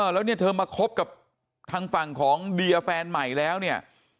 แล้วเนี่ยเธอมาคบกับทางฝั่งของเดียแฟนใหม่แล้วเนี่ย